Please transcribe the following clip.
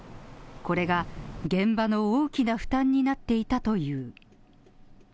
これが現場の大きな負担になっていたという。